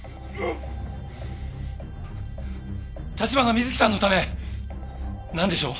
橘水樹さんのためなんでしょう？